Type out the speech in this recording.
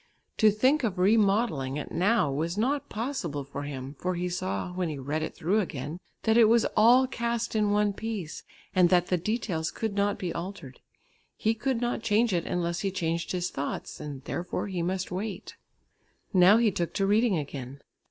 To think of remodelling it now was not possible for him, for he saw, when he read it through again, that it was all cast in one piece and that the details could not be altered. He could not change it, unless he changed his thoughts, and therefore he must wait. Now he took to reading again.